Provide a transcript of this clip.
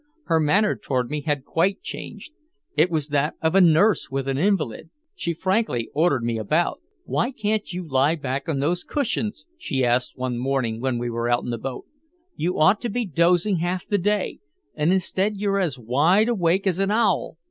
Her manner toward me had quite changed. It was that of a nurse with an invalid, she frankly ordered me about. "Why can't you lie back on those cushions?" she asked one morning when we were out in her boat. "You ought to be dozing half the day and instead you're as wide awake as an owl."